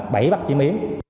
bẫy bắt chim yến